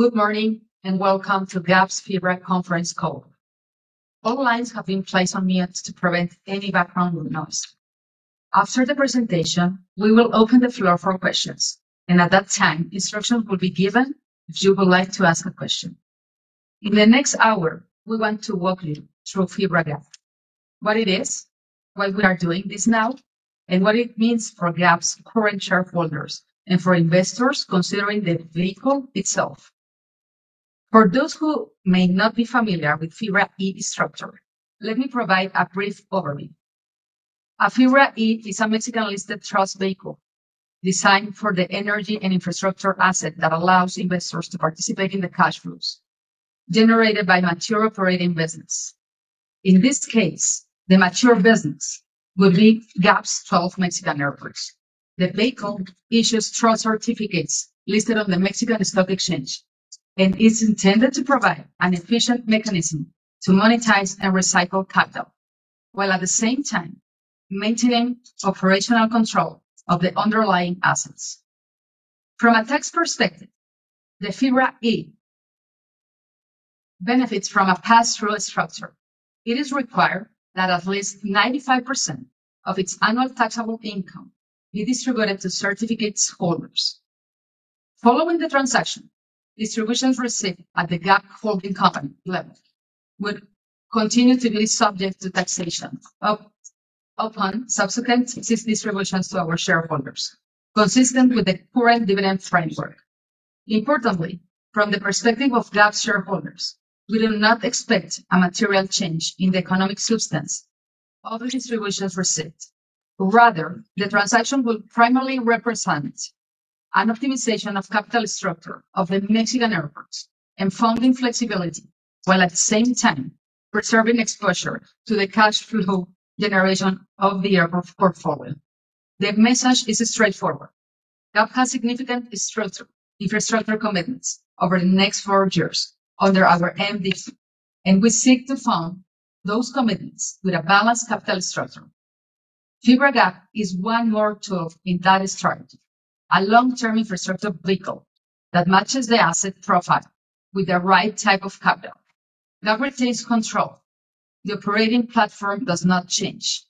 Good morning, and welcome to GAP's FIBRA conference call. All lines have been placed on mute to prevent any background noise. After the presentation, we will open the floor for questions, and at that time, instructions will be given if you would like to ask a question. In the next hour, we want to walk you through FIBRA GAP, what it is, why we are doing this now, and what it means for GAP's current shareholders and for investors considering the vehicle itself. For those who may not be familiar with FIBRA-E structure, let me provide a brief overview. A FIBRA-E is a Mexican-listed trust vehicle designed for the energy and infrastructure asset that allows investors to participate in the cash flows generated by mature operating business. In this case, the mature business will be GAP's 12 Mexican airports. The vehicle issues trust certificates listed on the Mexican Stock Exchange, and is intended to provide an efficient mechanism to monetize and recycle capital, while at the same time maintaining operational control of the underlying assets. From a tax perspective, the FIBRA-E benefits from a pass-through structure. It is required that at least 95% of its annual taxable income be distributed to certificate holders. Following the transaction, distributions received at the GAP Holding company level would continue to be subject to taxation upon subsequent distributions to our shareholders, consistent with the current dividend framework. Importantly, from the perspective of GAP shareholders, we do not expect a material change in the economic substance of the distributions received. Rather, the transaction will primarily represent an optimization of capital structure of the Mexican airports and funding flexibility, while at the same time preserving exposure to the cash flow generation of the airport portfolio. The message is straightforward. GAP has significant infrastructure commitments over the next four years under our MD, and we seek to fund those commitments with a balanced capital structure. FIBRA GAP is one more tool in that strategy, a long-term infrastructure vehicle that matches the asset profile with the right type of capital. GAP retains control. The operating platform does not change.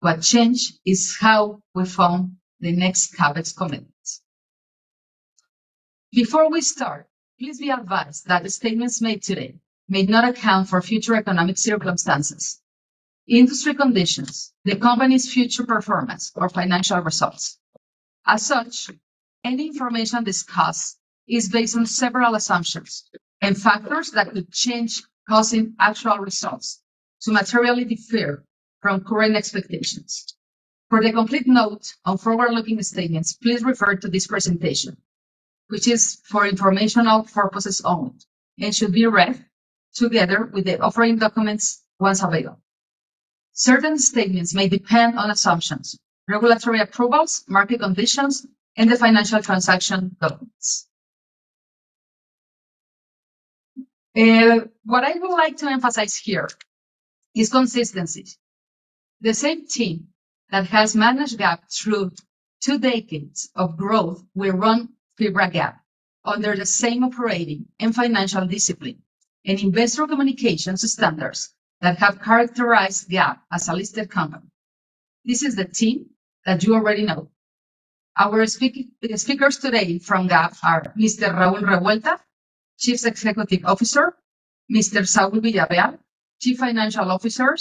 What change is how we fund the next CapEx commitments. Before we start, please be advised that the statements made today may not account for future economic circumstances, industry conditions, the company's future performance or financial results. As such, any information discussed is based on several assumptions and factors that could change, causing actual results to materially differ from current expectations. For the complete note on forward-looking statements, please refer to this presentation, which is for informational purposes only and should be read together with the offering documents once available. Certain statements may depend on assumptions, regulatory approvals, market conditions, and the financial transaction documents. What I would like to emphasize here is consistency. The same team that has managed GAP through two decades of growth will run FIBRA GAP under the same operating and financial discipline and investor communications standards that have characterized GAP as a listed company. This is the team that you already know. Our speakers today from GAP are Mr. Raúl Revuelta, Chief Executive Officer, Mr. Saúl Villarreal, Chief Financial Officer,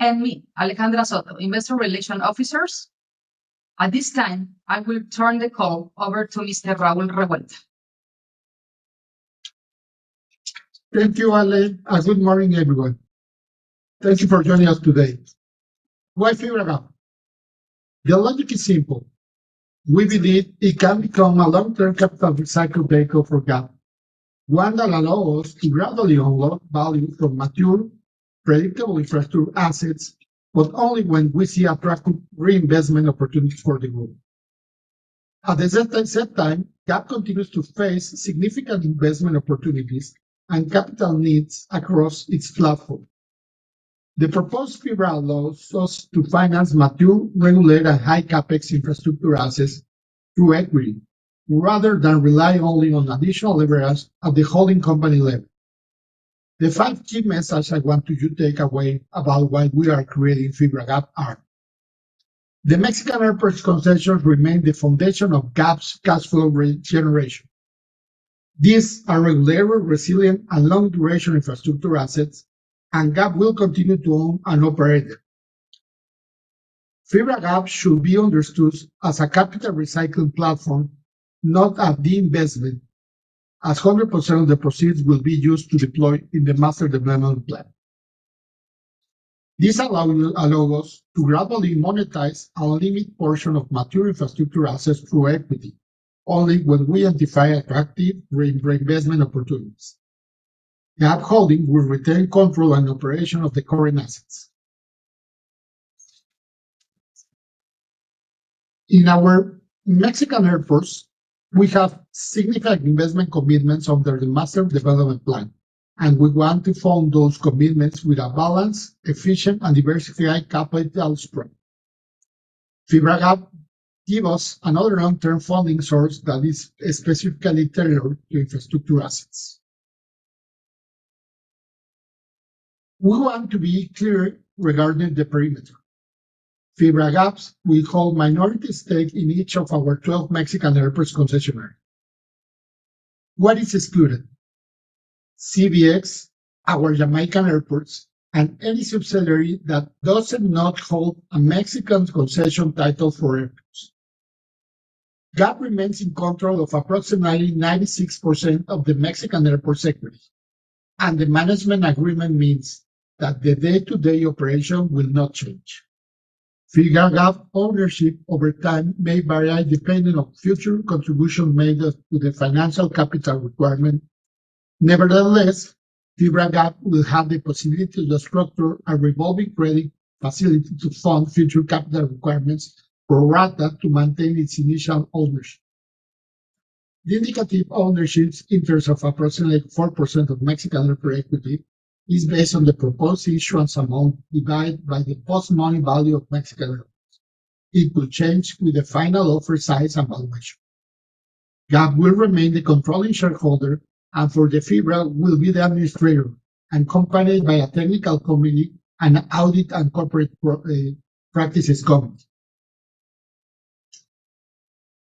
and me, Alejandra Soto, Investor Relations Officer. At this time, I will turn the call over to Mr. Raúl Revuelta. Thank you, Ale, good morning, everyone. Thank you for joining us today. Why FIBRA GAP? The logic is simple. We believe it can become a long-term capital recycle vehicle for GAP, one that allows us to gradually unlock value from mature, predictable infrastructure assets, but only when we see attractive reinvestment opportunities for the group. At the same time, GAP continues to face significant investment opportunities and capital needs across its platform. The proposed FIBRA allows us to finance mature, regulated, and high CapEx infrastructure assets through equity, rather than rely only on additional leverage at the holding company level. The five key messages I want you to take away about why we are creating FIBRA GAP are: The Mexican airports concessions remain the foundation of GAP's cash flow regeneration. These are regular, resilient, and long-duration infrastructure assets. GAP will continue to own and operate them. FIBRA GAP should be understood as a capital recycling platform, not a de-investment, as 100% of the proceeds will be used to deploy in the Master Development Plan. This allows us to gradually monetize a limited portion of mature infrastructure assets through equity, only when we identify attractive reinvestment opportunities. The GAP will retain control and operation of the current assets. In our Mexican airports, we have significant investment commitments under the Master Development Plan, and we want to fund those commitments with a balanced, efficient, and diversified capital spread. FIBRA GAP give us another long-term funding source that is specifically tailored to infrastructure assets. We want to be clear regarding the perimeter. FIBRA GAPs will hold minority stake in each of our 12 Mexican airports concessionaire. What is excluded? CBX, our Jamaican airports, and any subsidiary that does not hold a Mexican concession title for airports. GAP remains in control of approximately 96% of the Mexican airport equity. The management agreement means that the day-to-day operation will not change. FIBRA GAP ownership over time may vary depending on future contribution made to the financial capital requirement. Nevertheless, FIBRA GAP will have the possibility to structure a revolving credit facility to fund future capital requirements pro rata to maintain its initial ownership. The indicative ownerships in terms of approximately 4% of Mexican airport equity is based on the proposed issuance amount divided by the post-money value of Mexican airports. It will change with the final offer size and valuation. GAP will remain the controlling shareholder and for the FIBRA will be the administrator and accompanied by a technical committee and audit and corporate practices committee.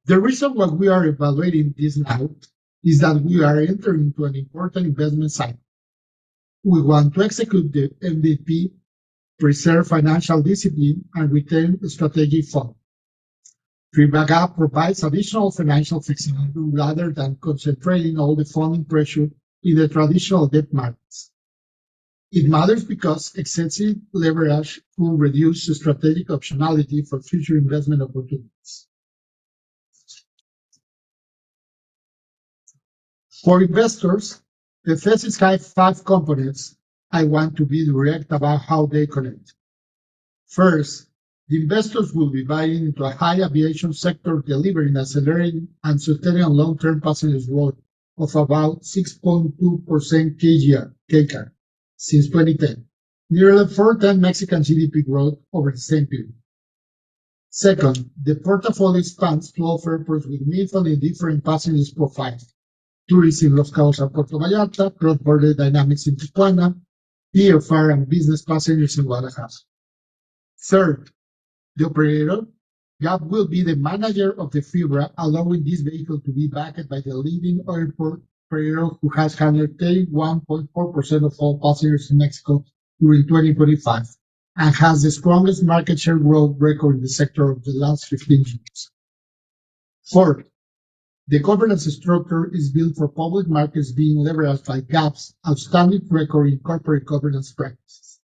The reason why we are evaluating this now is that we are entering into an important investment cycle. We want to execute the MDP, preserve financial discipline, and retain a strategic fund. FIBRA GAP provides additional financial flexibility rather than concentrating all the funding pressure in the traditional debt markets. It matters because extensive leverage will reduce the strategic optionality for future investment opportunities. For investors, the thesis has five components. I want to be direct about how they connect. First, the investors will be buying into a high aviation sector, delivering accelerating and sustained long-term passenger growth of about 6.2% CAGR since 2010, nearly 4x Mexican GDP growth over the same period. Second, the portfolio spans 12 airports with meaningfully different passengers profiles. Tourism Los Cabos and Puerto Vallarta, cross-border dynamics in Tijuana, VFR and business passengers in Guadalajara. Third, the operator, GAP, will be the manager of the FIBRA, allowing this vehicle to be backed by the leading airport operator who has handled 31.4% of all passengers in Mexico during 2025, and has the strongest market share growth record in the sector over the last 15 years. Fourth, the governance structure is built for public markets being leveraged by GAP's outstanding record in corporate governance practices.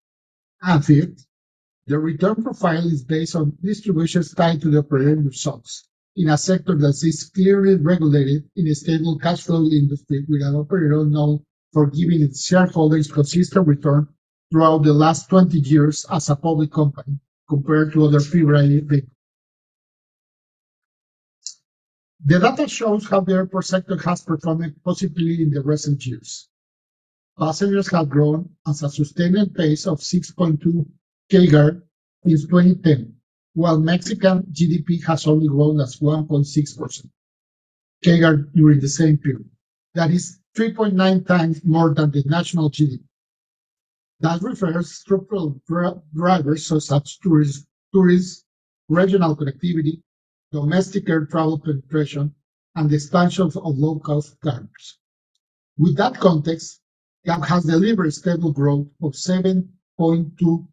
Fifth, the return profile is based on distributions tied to the operator results in a sector that is clearly regulated in a stable cash flow industry with an operator known for giving its shareholders consistent return throughout the last 20 years as a public company compared to other FIBRA vehicles. The data shows how the airport sector has performed positively in the recent years. Passengers have grown at a sustainable pace of 6.2% CAGR since 2010, while Mexican GDP has only grown at 1.6% CAGR during the same period. That is 3.9 times more than the national GDP. That refers structural drivers such as tourists, regional connectivity, domestic air travel penetration, and the expansion of low-cost carriers. With that context, GAP has delivered stable growth of 7.2%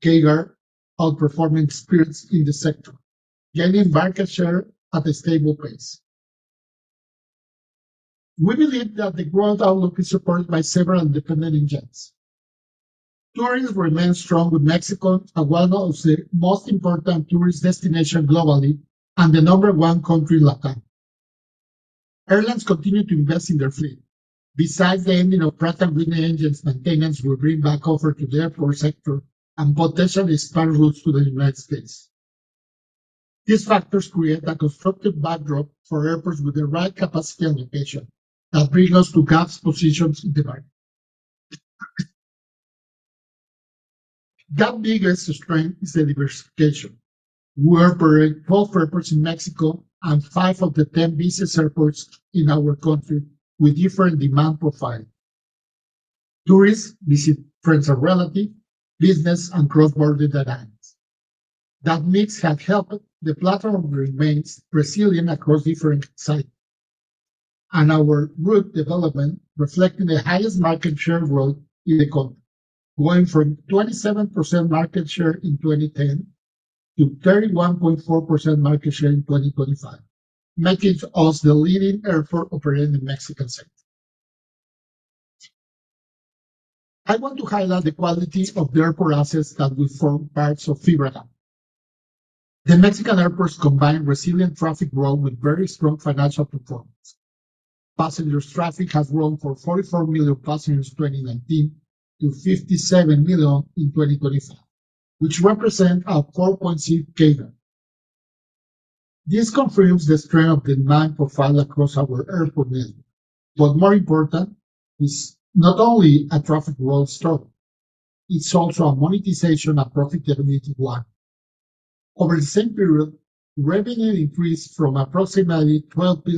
CAGR, outperforming spirits in the sector, gaining market share at a stable pace. We believe that the growth outlook is supported by several independent engines. Tourists remain strong, with Mexico as one of the most important tourist destination globally and the number one country Latin. Airlines continue to invest in their fleet. Besides the ending of Pratt & Whitney engines, maintenance will bring back offer to the airport sector and potentially spur routes to the United States. These factors create a constructive backdrop for airports with the right capacity and location that bring us to GAP's positions in the market. GAP biggest strength is the diversification. We operate 12 airports in Mexico and five of the 10 busiest airports in our country with different demand profile. Tourists, visit friends and relative, business, and cross-border dynamics. That mix has helped the platform remains resilient across different cycles. Our route development reflecting the highest market share growth in the country, going from 27% market share in 2010 to 31.4% market share in 2025, making us the leading airport operator in the Mexican sector. I want to highlight the quality of the airport assets that will form parts of FIBRA GAP. The Mexican airports combine resilient traffic growth with very strong financial performance. Passengers traffic has grown from 44 million passengers in 2019 to 57 million in 2025, which represent a 4.6% CAGR. This confirms the strength of the demand profile across our airport network. More important is not only a traffic growth story. It's also a monetization and profitability one. Over the same period, revenue increased from approximately 12 to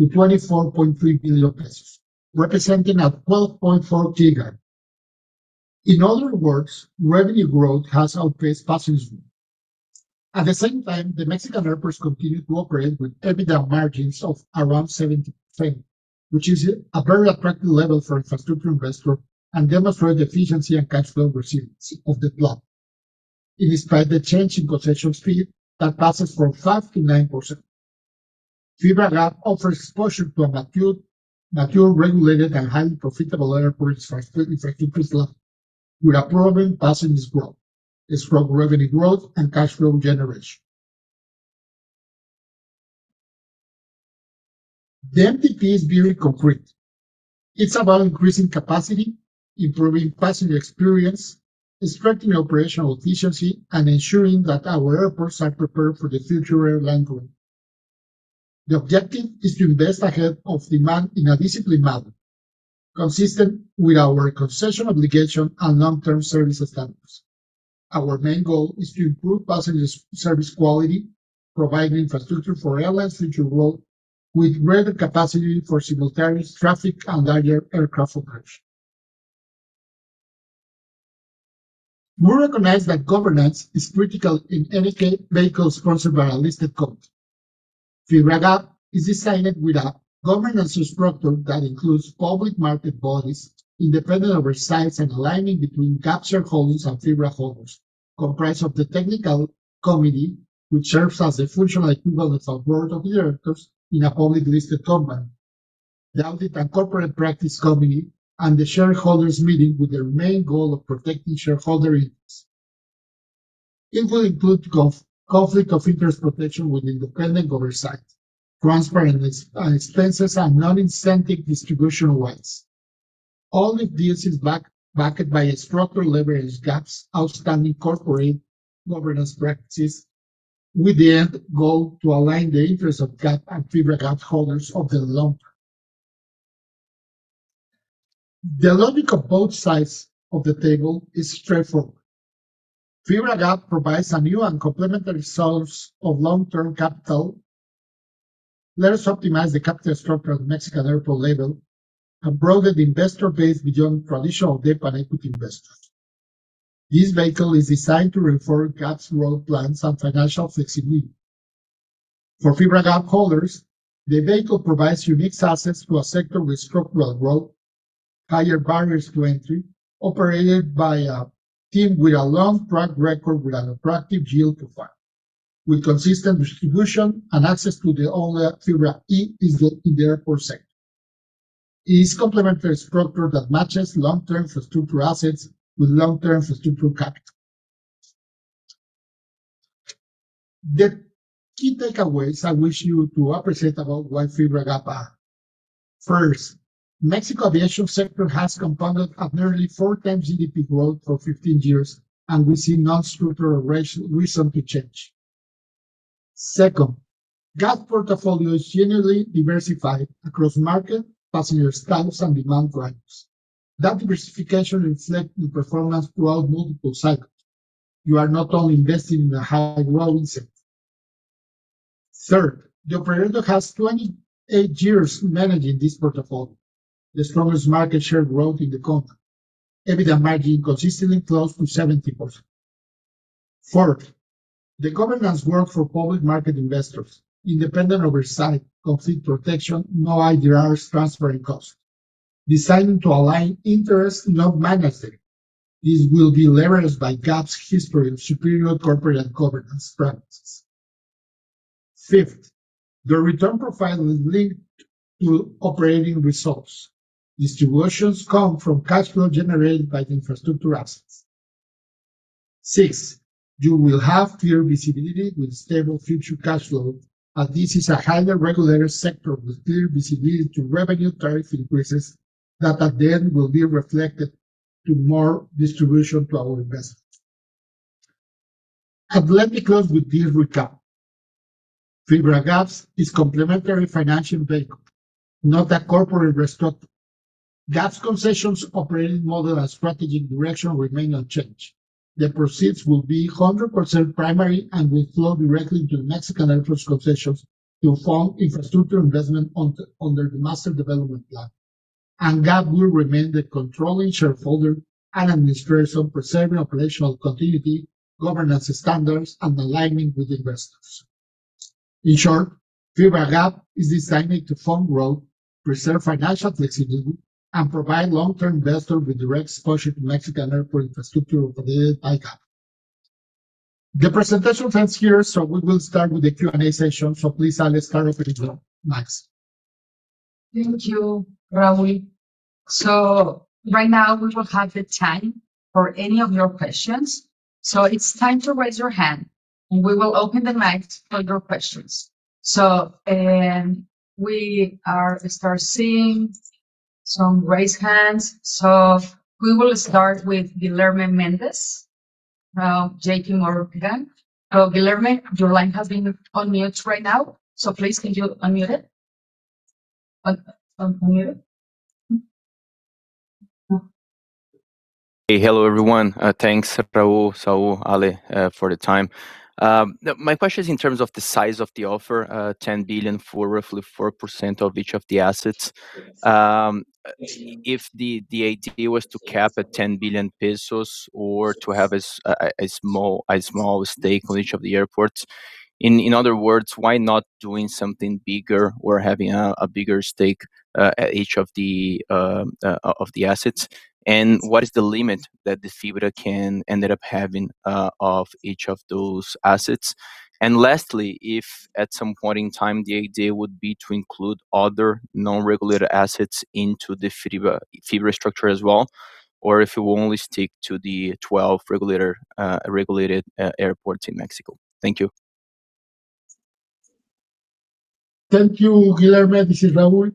24.3 billion pesos, representing a 12.4% CAGR. In other words, revenue growth has outpaced passengers. At the same time, the Mexican airports continue to operate with EBITDA margins of around 70%, which is a very attractive level for infrastructure investor and demonstrate the efficiency and cash flow resilience of the asset, in spite the change in concession fee that passes from 5%-9%. FIBRA GAP offers exposure to a mature, regulated and highly profitable airport infrastructure asset with a proven passengers growth, a strong revenue growth and cash flow generation. The MDP is very concrete. It's about increasing capacity, improving passenger experience, strengthening operational efficiency, and ensuring that our airports are prepared for the future airline growth. The objective is to invest ahead of demand in a disciplined manner, consistent with our concession obligation and long-term service standards. Our main goal is to improve passenger service quality, provide infrastructure for airlines future growth with greater capacity for simultaneous traffic and larger aircraft operations. We recognize that governance is critical in any vehicle sponsored by a listed code. FIBRA GAP is designed with a governance structure that includes public market bodies, independent oversight and alignment between GAP shareholdings and FIBRA holders, comprised of the technical committee which serves as a functional equivalent of board of directors in a public listed company. The audit and corporate practice committee and the shareholders meeting with their main goal of protecting shareholder interests. It will include conflict of interest protection with independent oversight, transparent expenses and non-incentive distribution fees. All of this is backed by a structure levers GAP's outstanding corporate governance practices with the end goal to align the interests of GAP and FIBRA GAP holders over the long term. The logic of both sides of the table is straightforward. FIBRA GAP provides a new and complementary source of long-term capital. Let us optimize the capital structure of the Mexican airport label and broaden the investor base beyond traditional debt and equity investors. This vehicle is designed to reinforce GAP's growth plans and financial flexibility. For FIBRA GAP holders, the vehicle provides unique access to a sector with structural growth, higher barriers to entry, operated by a team with a long track record with an attractive yield profile, with consistent distribution and access to the only FIBRA-E in the airport sector. It is complementary structure that matches long-term infrastructure assets with long-term infrastructure capital. The key takeaways I wish you to appreciate about why FIBRA GAP are: First, Mexico aviation sector has compounded at nearly 4x GDP growth for 15 years, and we see no structural re-reason to change. Second, GAP portfolio is generally diversified across market, passenger stacks and demand drivers. That diversification reflects the performance throughout multiple cycles. You are not only investing in a high growth sector. Third, the operator has 28 years managing this portfolio. The strongest market share growth in the country. EBITDA margin consistently close to 70%. Fourth, the governance work for public market investors. Independent oversight, conflict protection, no side deals, transparent costs. Designed to align interests, not manage them. This will be leveraged by GAP's history of superior corporate and governance practices. Fifth, the return profile is linked to operating results. Distributions come from cash flow generated by the infrastructure assets. Sixth, you will have clear visibility with stable future cash flow, as this is a highly regulated sector with clear visibility into revenue tariff increases that at the end will be reflected to more distribution to our investors. Let me close with this recap. FIBRA GAP is complementary financing vehicle, not a corporate restructuring. GAP's concessions operating model and strategic direction remain unchanged. The proceeds will be 100% primary and will flow directly into the Mexican airports concessions to fund infrastructure investment under the Master Development Plan. GAP will remain the controlling shareholder and administration, preserving operational continuity, governance standards and alignment with investors. In short, FIBRA GAP is designed to fund growth, preserve financial flexibility and provide long-term investors with direct exposure to Mexican airport infrastructure operated by GAP. The presentation ends here, so we will start with the Q&A session. Thank you, Raúl. Right now we will have the time for any of your questions. It's time to raise your hand, and we will open the mic for your questions. We are start seeing some raised hands. We will start with Guilherme Mendes, JPMorgan. Guilherme, your line has been on mute right now, so please can you unmute it? Un-unmute. Hey. Hello, everyone. Thanks Raúl, Saúl, Ale for the time. Now, my question is in terms of the size of the offer, 10 billion for roughly 4% of each of the assets. If the idea was to cap at 10 billion pesos or to have as a small stake on each of the airports. In other words, why not doing something bigger or having a bigger stake at each of the assets? What is the limit that the FIBRA can ended up having of each of those assets? Lastly, if at some point in time the idea would be to include other non-regulated assets into the FIBRA structure as well, or if it will only stick to the 12 regulated airports in Mexico. Thank you. Thank you, Guilherme. This is Raúl.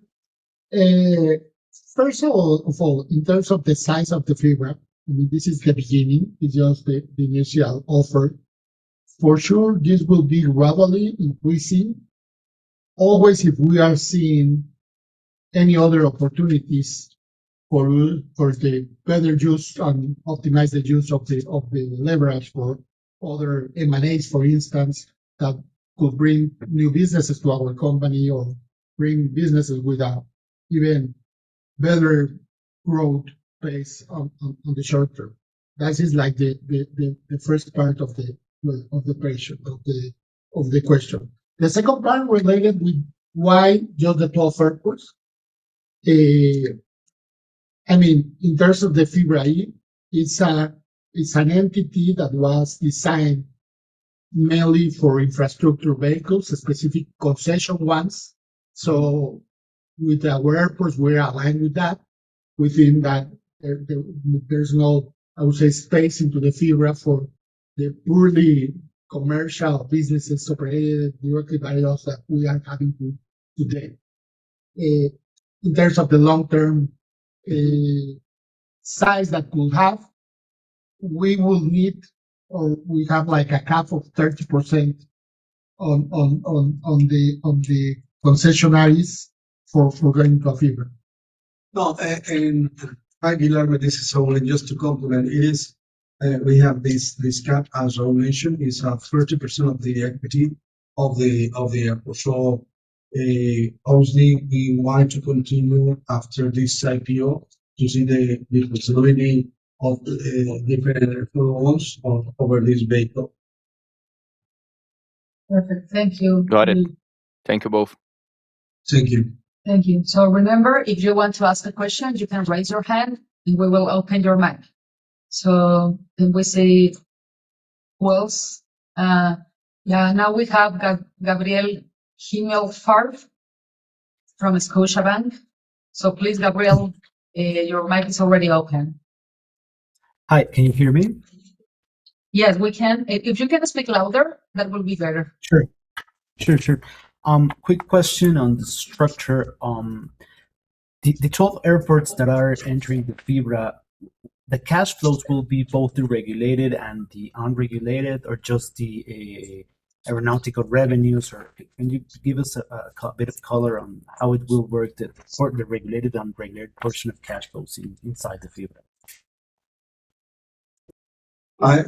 First of all, in terms of the size of the FIBRA, I mean, this is the beginning. It's just the initial offer. For sure, this will be rapidly increasing. Always if we are seeing any other opportunities for the better use and optimize the use of the leverage for other M&As, for instance, that could bring new businesses to our company or bring businesses with a even better growth base on the short term. That is like the first part of the question, of the question. The second part related with why just the 12 airports. I mean, in terms of the FIBRA, it's an entity that was designed mainly for infrastructure vehicles, specific concession ones. With our airports, we're aligned with that. Within that there's no, I would say, space into the FIBRA for the purely commercial businesses operated directly by us that we are having to today. In terms of the long term, size that we'll have, we will need or we have like a cap of 30% on the concessionaries for going to FIBRA. Hi Guilherme, this is Saúl. Just to complement, it is, we have this cap, as Raúl mentioned, it's 30% of the equity of the airport. Obviously we want to continue after this IPO to see the consolidation of different flows over this vehicle. Perfect. Thank you. Got it. Thank you both. Thank you. Thank you. Remember, if you want to ask a question, you can raise your hand and we will open your mic. Can we see who else? Yeah, now we have Gabriel Dechaine from National Bank. Please, Gabriel, your mic is already open. Hi. Can you hear me? Yes, we can. If you can speak louder, that will be better. Sure. Quick question on the structure. The 12 airports that are entering the FIBRA, the cash flows will be both the regulated and the unregulated or just the aeronautical revenues or can you give us a bit of color on how it will work the part, the regulated, unregulated portion of cash flows inside the FIBRA? Hi,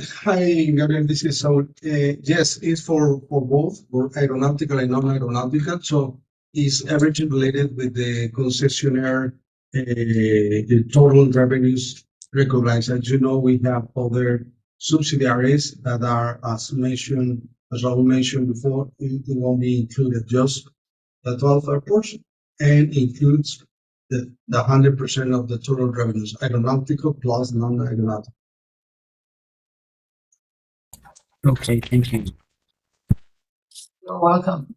Gabriel. This is Saúl. Yes, it's for both, for aeronautical and non-aeronautical. It's averaging related with the concessionaire, the total revenues recognized. As you know, we have other subsidiaries that are, as mentioned, as Raúl mentioned before, it won't be included just the 12 airports and includes the 100% of the total revenues, aeronautical plus non-aeronautical. Okay. Thank you. You're welcome.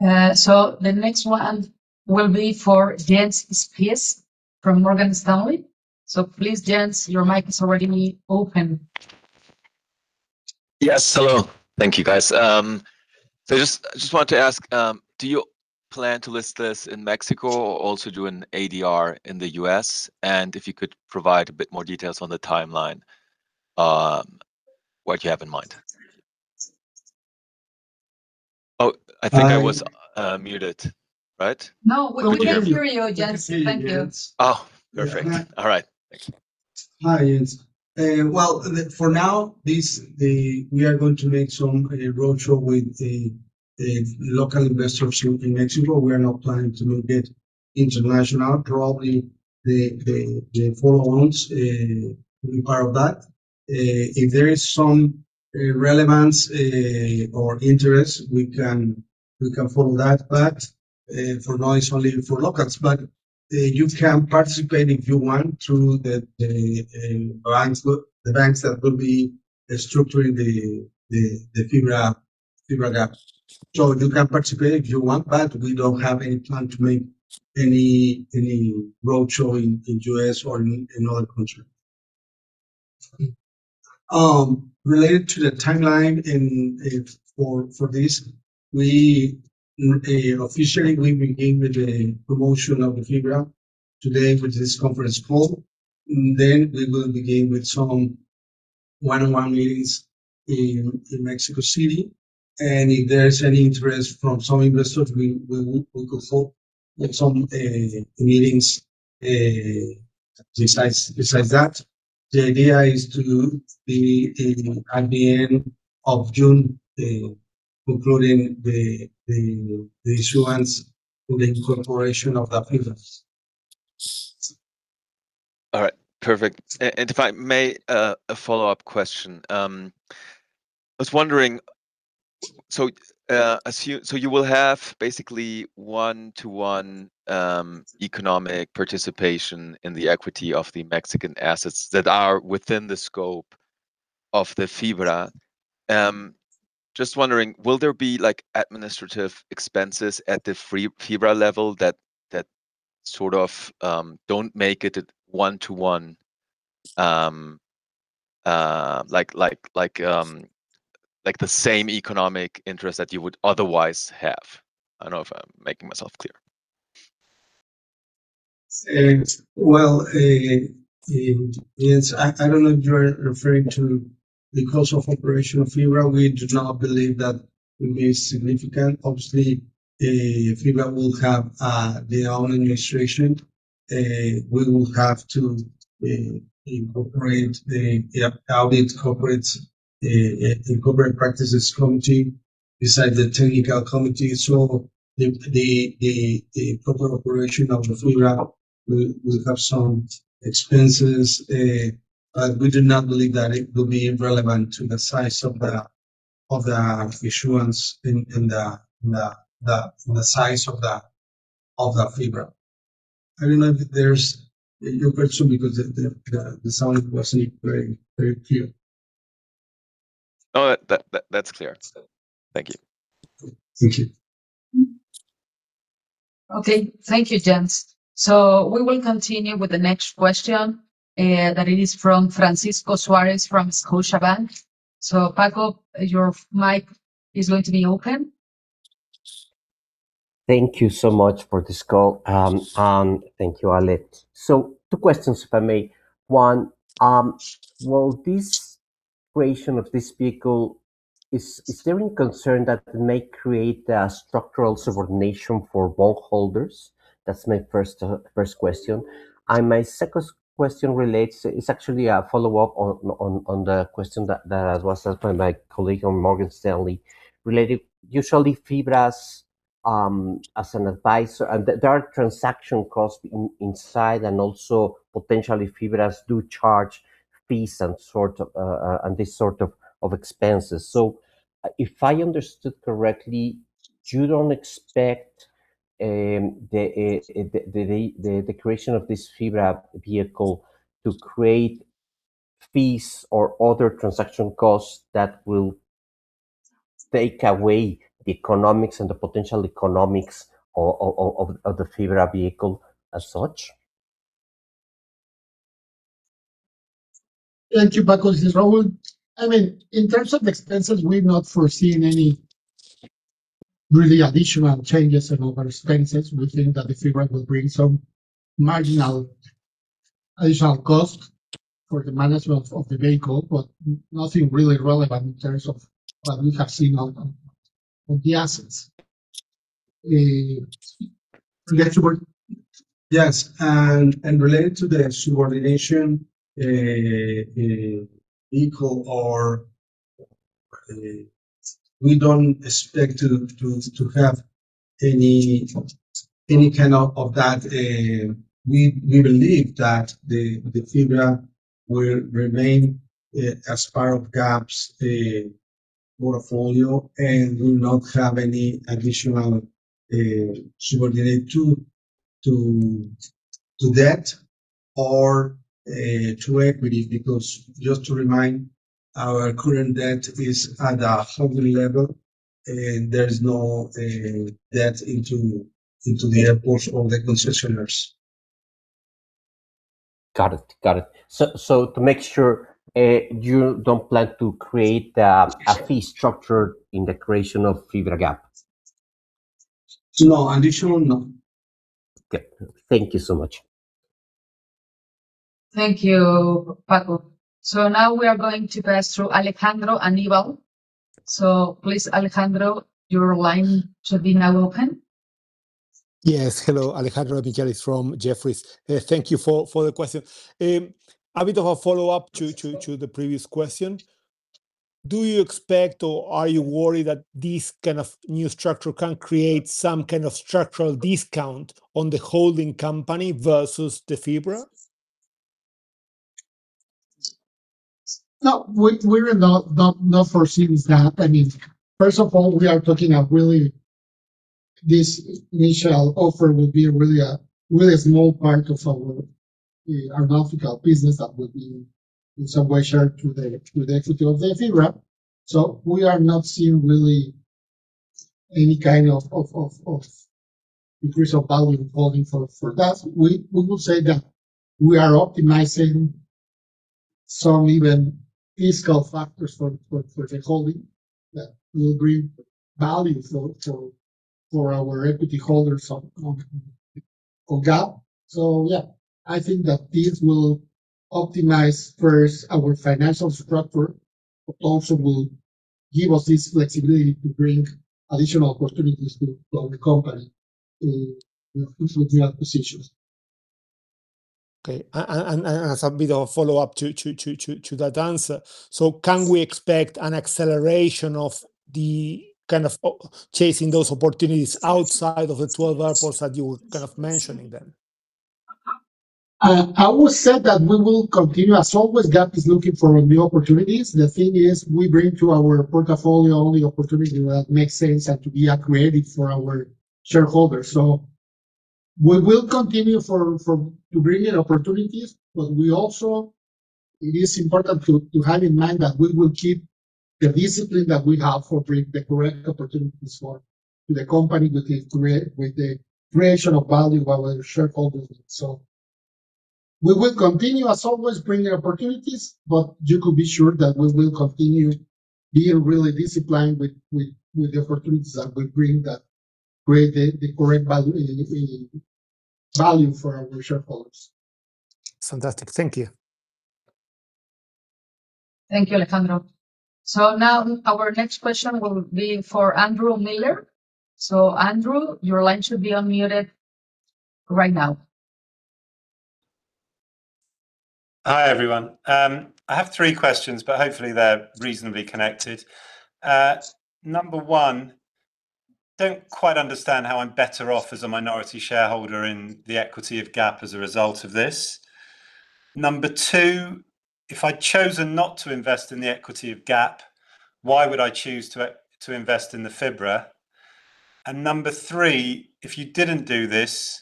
The next one will be for Jens Spiess from Morgan Stanley. Please, Jens Spiess, your mic is already open. Yes. Hello. Thank you, guys. just wanted to ask, do you plan to list this in Mexico or also do an ADR in the U.S.? if you could provide a bit more details on the timeline, what you have in mind. Hi. I'm muted, right? No, we can hear you, Jens Spiess. We can hear you. Thank you. Oh, perfect. Yeah. All right. Thank you. Hi, Jens Spiess. Well, for now, we are going to make a roadshow with the local investors here in Mexico. We are not planning to make it international. Probably the follow-ons will be part of that. If there is some relevance or interest, we can follow that, but for now it's only for locals. You can participate if you want through the banks that will be structuring the FIBRA GAP. You can participate if you want, but we don't have any plan to make any roadshow in U.S. or in other country. Related to the timeline and for this, we officially begin with the promotion of the FIBRA today with this conference call. We will begin with some. One-on-one meetings in Mexico City. If there's any interest from some investors, we could hold like some meetings besides that. The idea is to be at the end of June, concluding the issuance and the incorporation of the FIBRAs. All right. Perfect. If I may, a follow-up question. I was wondering, assume you will have basically one-to-one economic participation in the equity of the Mexican assets that are within the scope of the FIBRA. Just wondering, will there be, like, administrative expenses at the FIBRA level that sort of, don't make it a one-to-one, like the same economic interest that you would otherwise have? I don't know if I'm making myself clear. Well, yes, I don't know if you're referring to the cost of operation of FIBRA. We do not believe that will be significant. Obviously, FIBRA will have their own administration. We will have to incorporate the audit corporates, the corporate practices committee beside the technical committee. The proper operation of the FIBRA will have some expenses, but we do not believe that it will be relevant to the size of the issuance in the size of the FIBRA. I don't know if there's You got your question because the sound wasn't very clear. No, that's clear. Thank you. Thank you. Okay. Thank you, Jens. We will continue with the next question, that it is from Francisco Suárez from Scotiabank. Paco, your mic is going to be open. Thank you so much for this call, and thank you, Alejandra Soto. Two questions, if I may. One, will this creation of this vehicle, is there any concern that it may create a structural subordination for bondholders? That's my first question. My second question relates It's actually a follow-up on the question that was asked by my colleague on Morgan Stanley related usually FIBRAs, as an advisor, and there are transaction costs inside and also potentially FIBRAs do charge fees and sort of expenses. If I understood correctly, you don't expect the creation of this FIBRA vehicle to create fees or other transaction costs that will take away the economics and the potential economics of the FIBRA vehicle as such? Thank you, Paco. This is Raúl. I mean, in terms of expenses, we're not foreseeing any really additional changes in overall expenses. We think that the FIBRA will bring some marginal additional cost for the management of the vehicle, but nothing really relevant in terms of what we have seen on the assets. Related to the subordination vehicle or we don't expect to have any kind of that. We believe that the FIBRA will remain as part of GAP's portfolio and will not have any additional subordinate to debt or to equity because just to remind, our current debt is at a holding level. There is no debt into the airports or the concessionaires. Got it. To make sure, you don't plan to create a fee structure in the creation of FIBRA GAP? No. Additional, no. Okay. Thank you so much. Thank you, Franco. Now we are going to pass through Alejandro Anibal. Please, Alejandro, your line should be now open. Yes. Hello. Alejandro Anibal from Jefferies. Thank you for the question. A bit of a follow-up to the previous question. Do you expect or are you worried that this kind of new structure can create some kind of structural discount on the holding company versus the FIBRA? No, we're not foreseeing that. I mean, first of all, we are talking of really this initial offer will be really a small part of our aeronautical business that would be in some way shared to the equity of the FIBRA. We are not seeing really any kind of decrease of value holding for that. We will say that we are optimizing some even fiscal factors for the holding that will bring value for our equity holders. For GAP. Yeah, I think that this will optimize first our financial structure, but also will give us this flexibility to bring additional opportunities to the company in future acquisitions. Okay. As a bit of a follow-up to that answer, can we expect an acceleration of the kind of chasing those opportunities outside of the 12 airports that you were kind of mentioning then? I would say that we will continue. As always, GAP is looking for new opportunities. The thing is, we bring to our portfolio only opportunity that makes sense and to be accretive for our shareholders. We will continue to bring in opportunities, but It is important to have in mind that we will keep the discipline that we have to bring the correct opportunities to the company with the creation of value for our shareholders. We will continue as always bringing opportunities, but you could be sure that we will continue being really disciplined with the opportunities that we bring that create the correct value in value for our shareholders. Fantastic. Thank you. Thank you, Alejandro. Now our next question will be for Andrew Miller. Andrew, your line should be unmuted right now. Hi, everyone. I have three questions, but hopefully they're reasonably connected. Number one, don't quite understand how I'm better off as a minority shareholder in the equity of GAP as a result of this. Number two, if I'd chosen not to invest in the equity of GAP, why would I choose to invest in the FIBRA? Number three, if you didn't do this,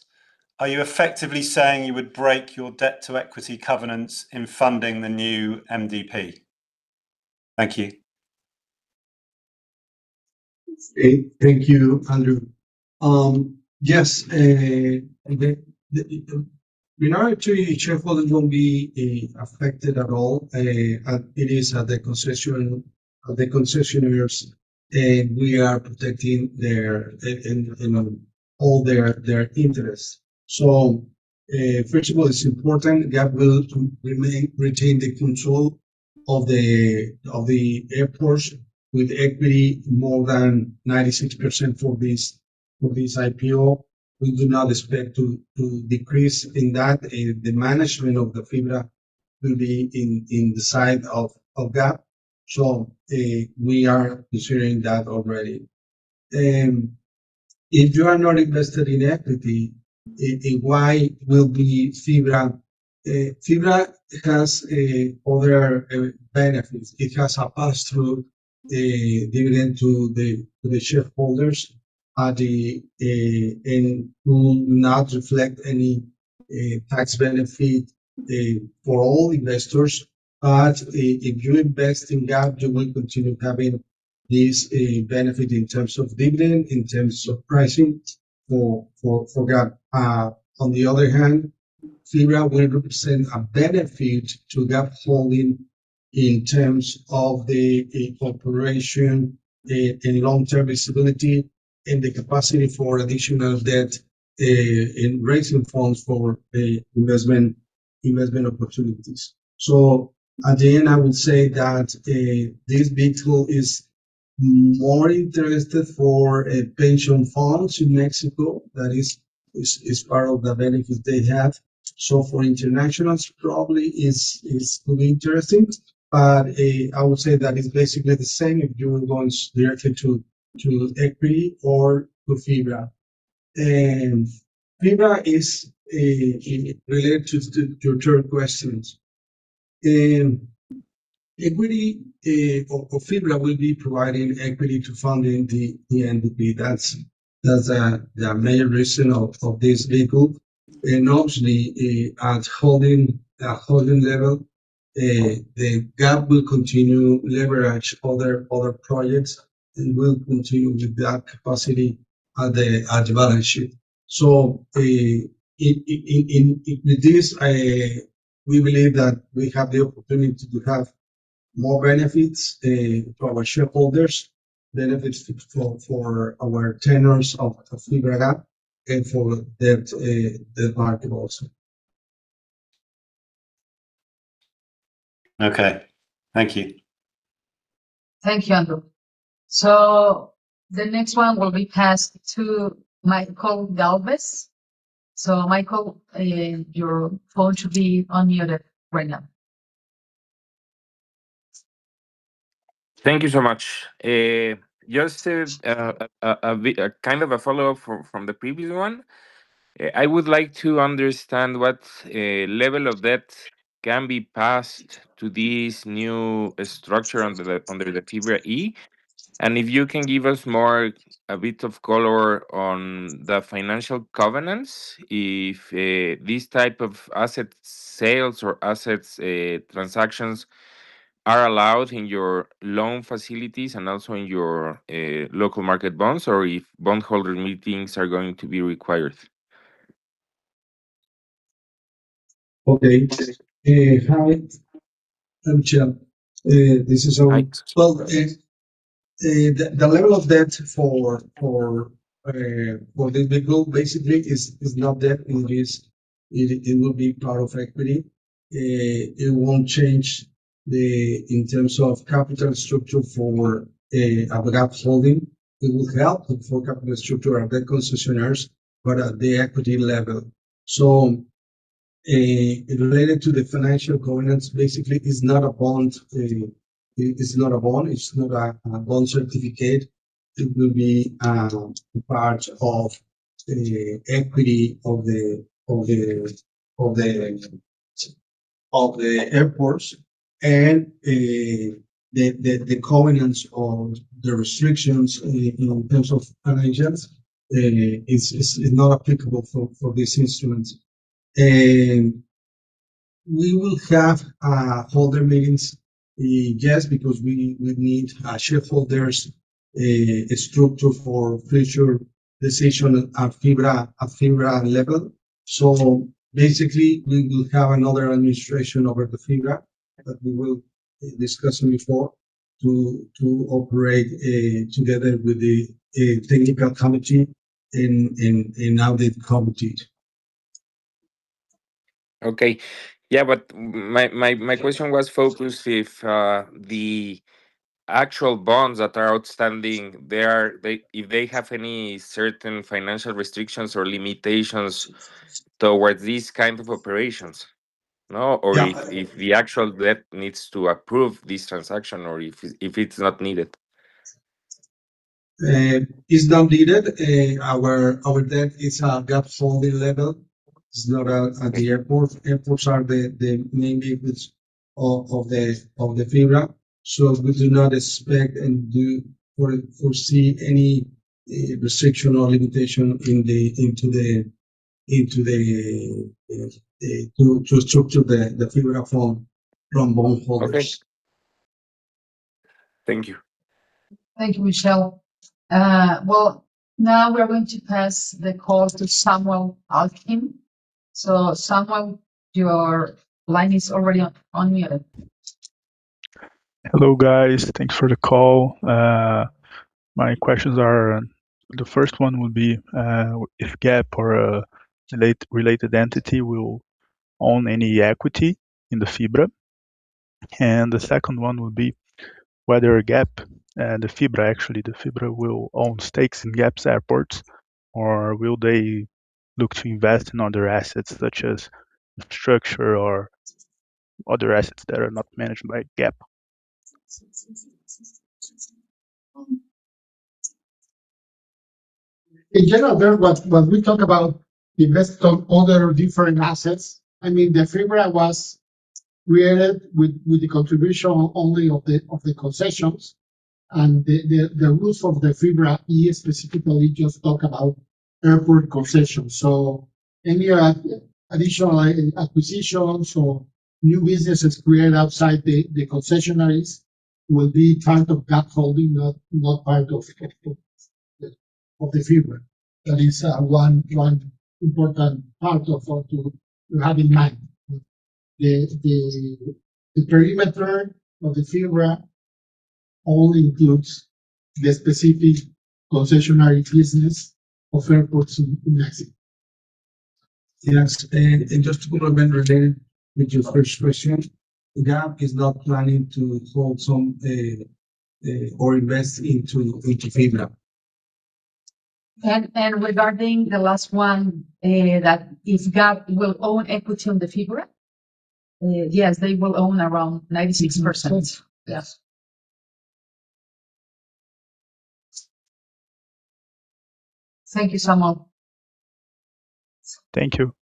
are you effectively saying you would break your debt-to-equity covenants in funding the new MDP? Thank you. Thank you, Andrew. Yes, Minority shareholders won't be affected at all. It is at the concessionaires, we are protecting their, you know, all their interests. First of all, it's important, GAP will retain the control of the airports with equity more than 96% for this IPO. We do not expect to decrease in that. The management of the FIBRA will be in the side of GAP. We are considering that already. If you are not invested in equity, why will be FIBRA? FIBRA has other benefits. It has a pass-through dividend to the shareholders and will not reflect any tax benefit for all investors. If you invest in GAP, you will continue having this benefit in terms of dividend, in terms of pricing for GAP. On the other hand, FIBRA will represent a benefit to GAP Holding in terms of the corporation and long-term visibility and the capacity for additional debt in raising funds for investment opportunities. At the end, I would say that this vehicle is more interested for pension funds in Mexico. That is part of the benefits they have. For internationals, probably is really interesting. I would say that it's basically the same if you invest directly to equity or to FIBRA. FIBRA is in relation to your third questions. Equity of FIBRA will be providing equity to funding the MDP. That's the main reason of this vehicle. Obviously, at holding level, the GAP will continue leverage other projects, and will continue with that capacity at the balance sheet. In this, we believe that we have the opportunity to have more benefits to our shareholders, benefits for our tenures of FIBRA GAP and for debt market also. Okay. Thank you. Thank you, Andrew. The next one will be passed to Michael Galvez. Michael, your phone should be unmuted right now. Thank you so much. just a kind of a follow-up from the previous one. I would like to understand what level of debt can be passed to this new structure under the FIBRA-E. If you can give us more, a bit of color on the financial covenants, if this type of asset sales or assets transactions are allowed in your loan facilities and also in your local market bonds, or if bondholder meetings are going to be required. Okay. Hi, Michael. This is Saúl. The level of debt for this vehicle basically is not debt. It will be part of equity. It won't change the in terms of capital structure for a GAP Holding. It will help for capital structure our debt concessionaires, but at the equity level. Related to the financial governance, basically it's not a bond, it's not a bond, it's not a bond certificate. It will be part of the equity of the airports and the covenants or the restrictions, you know, in terms of agents, it's not applicable for these instruments. We will have holder meetings, yes, because we need shareholders structure for future decision at FIBRA level. Basically, we will have another administration over the FIBRA that we will discussing before to operate together with the technical committee and audit committee. Okay. Yeah, my question was focused if the actual bonds that are outstanding, they if they have any certain financial restrictions or limitations towards these kind of operations. No? Yeah. If the actual debt needs to approve this transaction or if it's not needed. It's not needed. Our debt is at GAP Holding level. It's not at the airport. Airports are the main vehicles of the FIBRA. We do not expect and do foresee any restriction or limitation into the to structure the FIBRA from bondholders. Okay. Thank you. Thank you, Michelle. Now we are going to pass the call to Samuel Alkim. Samuel, your line is already on mute. Hello, guys. Thanks for the call. My questions are, the first one would be, if GAP or a related entity will own any equity in the FIBRA. The second one would be whether GAP, the FIBRA, actually, the FIBRA will own stakes in GAP's airports, or will they look to invest in other assets such as infrastructure or other assets that are not managed by GAP? In general, when we talk about invest on other different assets, I mean, the FIBRA was created with the contribution only of the concessions and the rules of the FIBRA specifically just talk about airport concessions. Any additional acquisitions or new businesses created outside the concessionaries will be part of GAP Holding, not part of the FIBRA. That is one important part of to have in mind. The perimeter of the FIBRA only includes the specific concessionary business of airports in Mexico. Yes. Just to put a bit related with your first question, GAP is not planning to hold some or invest into FIBRA. Regarding the last one, that if GAP will own equity on the FIBRA. Yes, they will own around 96%. Yes. Thank you, Samuel. Thank you.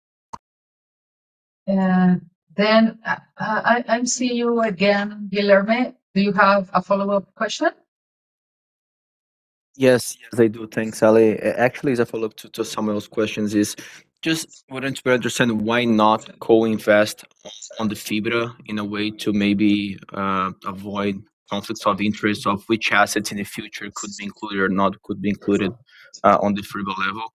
I'm seeing you again, Guilherme. Do you have a follow-up question? Yes, I do. Thanks, Ale. Actually, as a follow-up to Samuel's questions, I just wanted to understand why not co-invest on the FIBRA in a way to maybe avoid conflicts of interest of which assets in the future could be included or not could be included on the FIBRA level.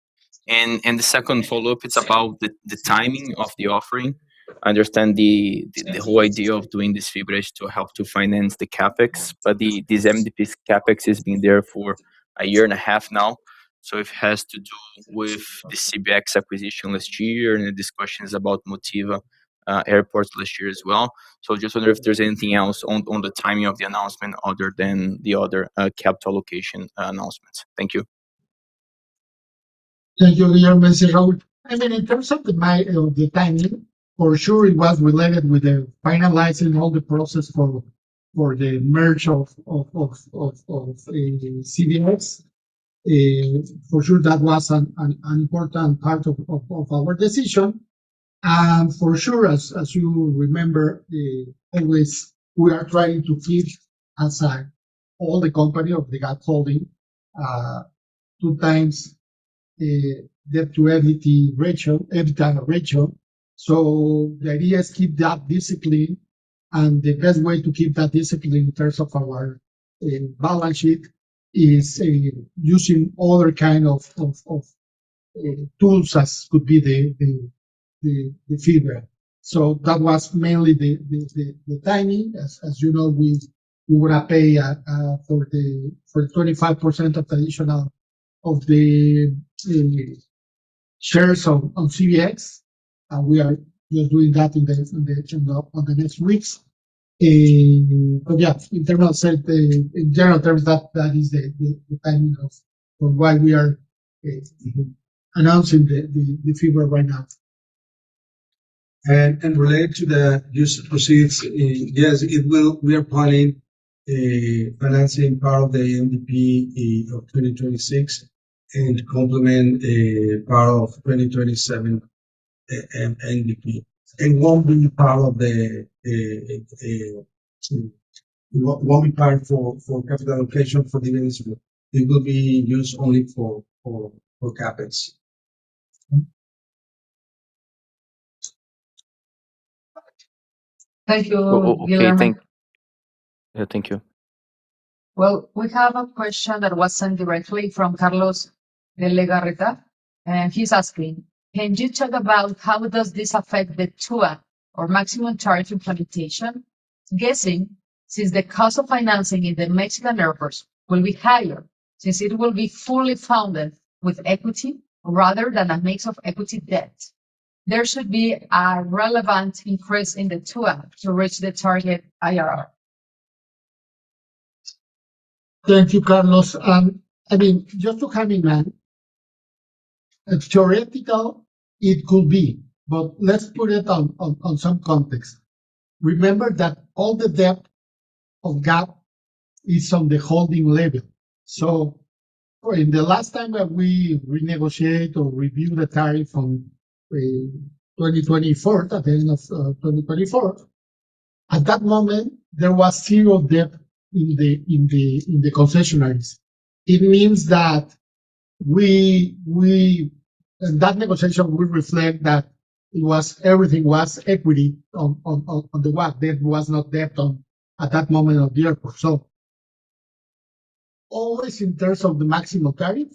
The second follow-up, it's about the timing of the offering. I understand the whole idea of doing this FIBRA is to help to finance the CapEx. This MDP's CapEx has been there for a year and a half now. It has to do with the CBX acquisition last year, and this question is about Montego Bay airports last year as well. I just wonder if there's anything else on the timing of the announcement other than the other capital allocation announcements. Thank you. Thank you, Guilherme. I mean, in terms of the timing, for sure it was related with the finalizing all the process for the merge of the CBX. For sure that was an important part of our decision. For sure, as you remember, always we are trying to keep aside all the company of the GAP Holding, two times debt-to-EBITDA ratio. The idea is keep that discipline. The best way to keep that discipline in terms of our balance sheet is using other kind of tools as could be the FIBRA. That was mainly the timing. As you know, we wanna pay for 25% of the additional, of the shares on CBX, and we are just doing that on the next weeks. Yeah, in terms of general terms, that is the timing of why we are announcing the FIBRA right now. Related to the use of proceeds, yes, we are planning financing part of the MDP of 2026 and complement part of 2027 MDP. It won't be part for capital allocation for dividends. It will be used only for CapEx. Thank you, Guilherme. Okay, Yeah, thank you. Well, we have a question that was sent directly from Carlos de Legarreta, and he's asking: Can you talk about how does this affect the TUA or maximum charge implementation? Guessing, since the cost of financing in the Mexican airports will be higher, since it will be fully funded with equity rather than a mix of equity debt. There should be a relevant increase in the TUA to reach the target IRR. Thank you, Carlos. I mean, just to have in mind, theoretical it could be, but let's put it on some context. Remember that all the debt of GAP is on the holding level. In the last time that we renegotiate or review the tariff on 2024, at the end of 2024, at that moment, there was zero debt in the concessionaires. It means that we That negotiation will reflect that everything was equity on the WACC. There was no debt on at that moment of the airport. Always in terms of the maximum tariff,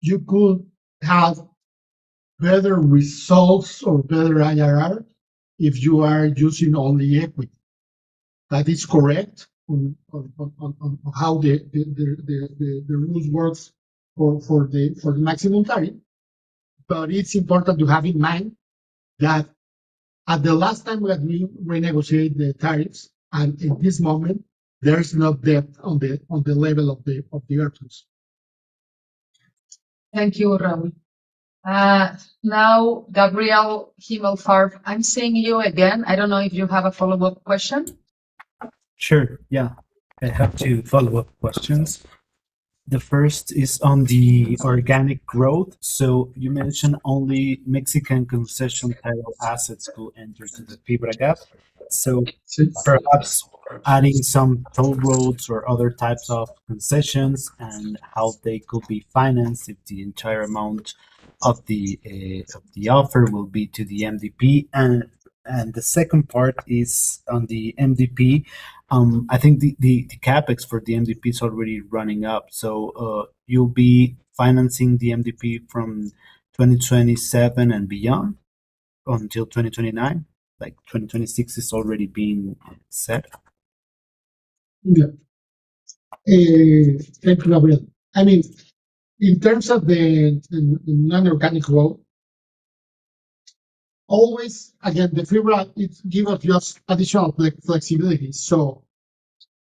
you could have better results or better IRR if you are using only equity. That is correct on how the rules works for the maximum tariff. But it's important to have in mind that at the last time that we renegotiate the tariffs, and at this moment, there is no debt on the level of the airports. Thank you, Raúl. Now, Gabriel Dechaine, I'm seeing you again. I don't know if you have a follow-up question. Sure, yeah. I have two follow-up questions. The first is on the organic growth. You mentioned only Mexican concession type of assets could enter to the FIBRA GAP. Perhaps adding some toll roads or other types of concessions and how they could be financed if the entire amount of the offer will be to the MDP. The second part is on the MDP. I think the CapEx for the MDP is already running up. You'll be financing the MDP from 2027 and beyond until 2029? Like, 2026 is already being set. Yeah. Thank you, Gabriel. I mean, in terms of the non-organic growth, always, again, the FIBRA, it give us just additional flexibility. Specifically,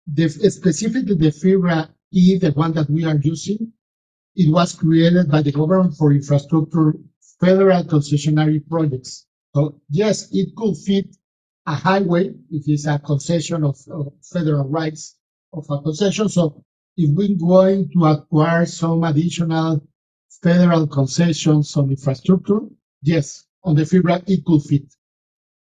the FIBRA-E, the one that we are using, it was created by the government for infrastructure federal concessionary projects. Yes, it could fit a highway, which is a concession of federal rights of a concession. If we're going to acquire some additional federal concessions on infrastructure, yes, on the FIBRA, it could fit.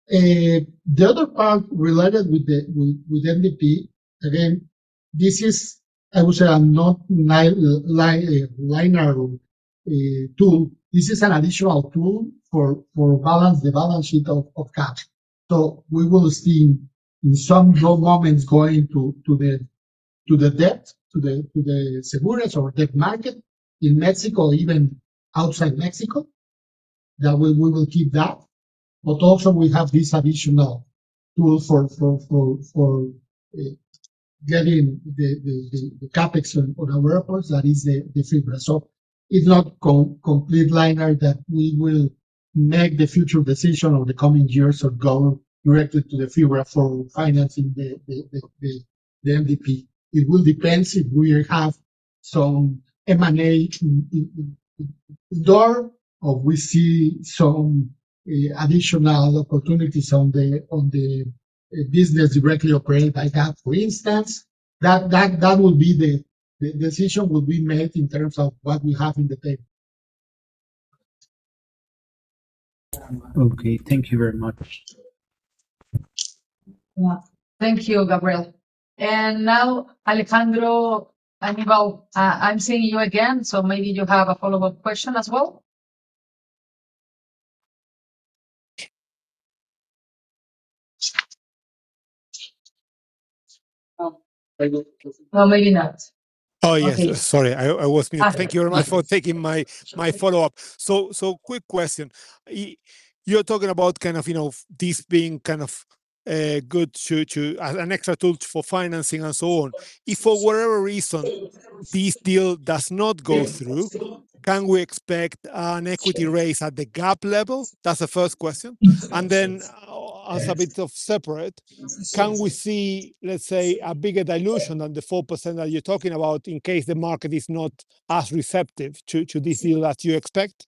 The other part related with the MDP, again, this is, I would say, a not linear tool. This is an additional tool for balance, the balance sheet of GAP. We will see in some low moments going to the debt, to the certificados bursátiles or debt market in Mexico, even outside Mexico. That we will keep that. Also we have this additional tool for getting the CapEx on our airports, that is the FIBRA. It's not complete linear that we will make the future decision on the coming years or go directly to the FIBRA for financing the MDP. It will depends if we have some M&A in door, or we see some additional opportunities on the business directly operate like that, for instance. That will be the decision will be made in terms of what we have in the table. Okay. Thank you very much. Thank you, Gabriel. Now, Alejandro Anibal, I'm seeing you again, so maybe you have a follow-up question as well? Oh. There you go. Well, maybe not. Oh, yes. Okay. Sorry, I was muted. Perfect. Thank you very much for taking my follow-up. quick question. You're talking about kind of, you know, this being kind of good to an extra tool for financing and so on. If for whatever reason this deal does not go through, can we expect an equity raise at the GAP level? That's the first question. As a bit of separate, can we see, let's say, a bigger dilution than the 4% that you're talking about in case the market is not as receptive to this deal as you expect?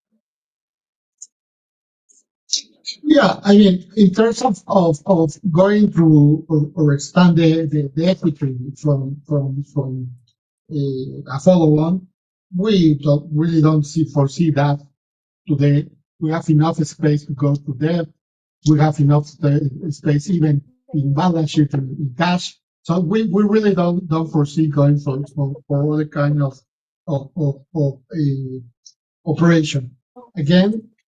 I mean, in terms of going through or expand the equity from a follow-on, we don't foresee that today. We have enough space to go to debt. We have enough space even in balance sheet and in cash. We really don't foresee going for other kind of operation.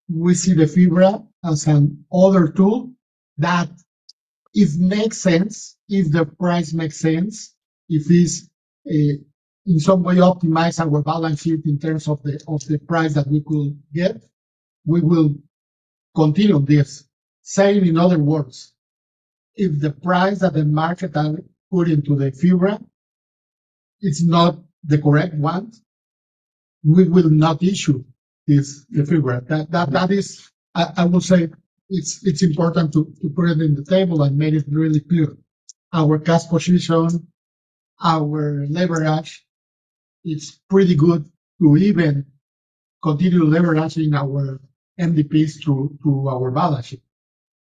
We see the FIBRA as another tool that if makes sense, if the price makes sense, if it's in some way optimize our balance sheet in terms of the price that we could get, we will continue this. Same in other words, if the price that the market is put into the FIBRA is not the correct one, we will not issue this, the FIBRA. That is I will say it's important to put it in the table and make it really clear. Our cash position, our leverage, it's pretty good to even continue leveraging our MDPs to our balance sheet.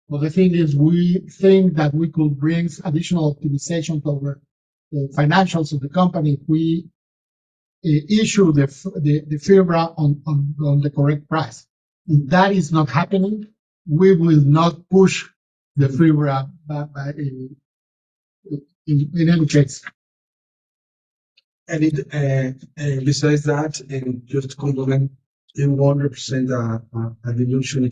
The thing is, we think that we could bring additional optimization to our, the financials of the company if we issue the FIBRA on the correct price. If that is not happening, we will not push the FIBRA by in any case. It besides that, and just to complement, it won't represent a dilution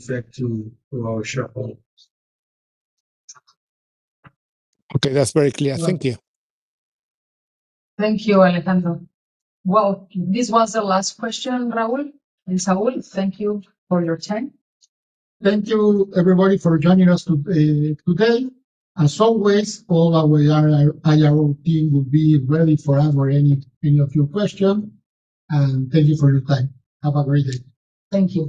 effect to our shareholders. Okay, that's very clear. Thank you. Thank you, Alejandro. Well, this was the last question, Raúl and Saúl. Thank you for your time. Thank you, everybody, for joining us today. As always, all our IR team will be ready for any of your question. Thank you for your time. Have a great day. Thank you.